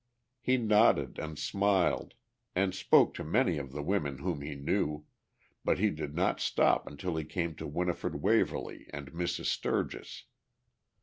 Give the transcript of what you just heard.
He nodded and smiled and spoke to many of the women whom he knew, but he did not stop until he came to Winifred Waverly and Mrs. Sturgis.